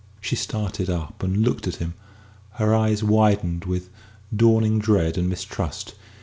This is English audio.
She started up and looked at him, her eyes widened with dawning dread and mistrust.